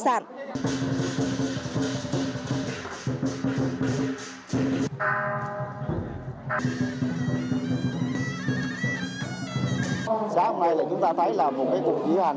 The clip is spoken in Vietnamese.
sáng hôm nay chúng ta thấy là một cuộc diễn hành